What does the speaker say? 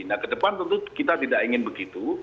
nah kedepan tentu kita tidak ingin begitu